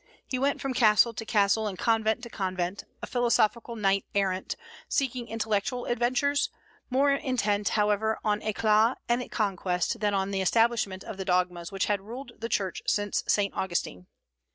He went from castle to castle, and convent to convent, a philosophical knight errant, seeking intellectual adventures; more intent, however, on éclat and conquest than on the establishment of the dogmas which had ruled the Church since Saint Augustine.